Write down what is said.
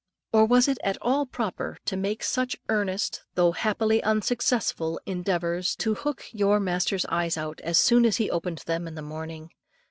Or was it at all proper to make such earnest, though happily unsuccessful, endeavours to hook your master's eyes out as soon as he opened them in the morning?